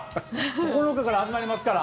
９日から始まりますから。